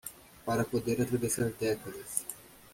Para poder atravessar décadas